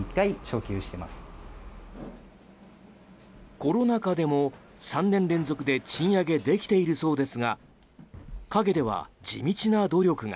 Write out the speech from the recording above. コロナ禍でも３年連続で賃上げできているそうですが陰では地道な努力が。